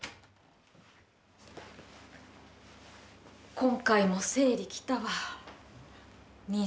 今回も生理きたわ。